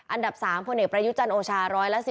อันดับ๓ผู้เหน็จประยุจรรย์โอชา๑๑๑